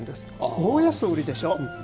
大安売りでしょう？